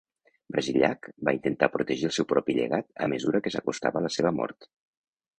Brasillach va intentar protegir el seu propi llegat a mesura que s'acostava la seva mort.